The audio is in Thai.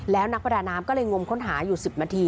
แล้วนักประดาน้ำก็เลยงมค้นหาอยู่๑๐นาที